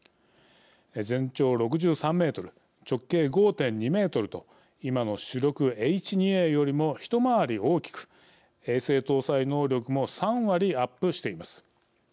全長６３メートル直径５．２メートルと今の主力、Ｈ２Ａよりも一回り大きく、衛星搭載能力も３割アップしています。